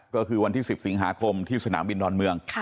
ก็คือวันที่๑๐สิงหาคมที่สนามบินดอนเมือง